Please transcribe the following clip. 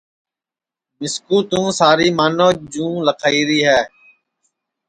مِسکُو توں ساری مانٚو جُو لکھائیری ہے